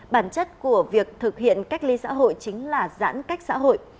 bản chất của việc thực hiện cách ly xã hội chính là giãn cách xã hội